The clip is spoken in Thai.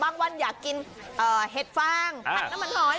วันอยากกินเห็ดฟางผัดน้ำมันหอย